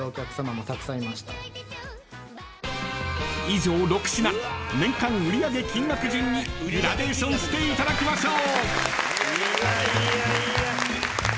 ［以上６品年間売り上げ金額順にグラデーションしていただきましょう］